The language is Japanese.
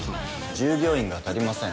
従業員が足りません。